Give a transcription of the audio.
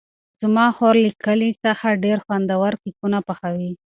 زما خور له کیلې څخه ډېر خوندور کېکونه پخوي.